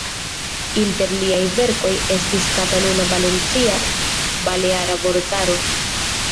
Inter liaj verkoj estis "Kataluna-Valencia-Baleara Vortaro".